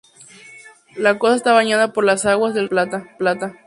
La costa está bañada por las aguas del Río de la Plata.